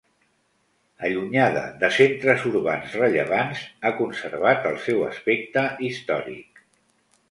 Allunyada de centres urbans rellevants, ha conservat el seu aspecte històric.